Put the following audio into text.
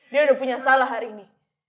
dia udah punya salah hari ini